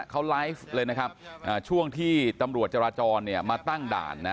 เขาไลฟ์เลยนะครับช่วงที่ตำรวจจราจรเนี่ยมาตั้งด่านนะ